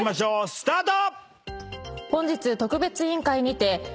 スタート！